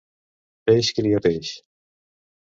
Peix cria peix.